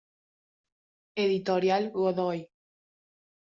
Editorial Godoy.